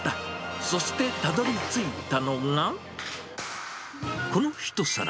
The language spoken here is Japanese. そして、たどりついたのが、この一皿。